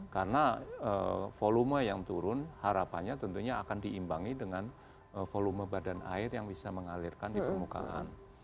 karena volume yang turun harapannya tentunya akan diimbangi dengan volume badan air yang bisa mengalirkan di permukaan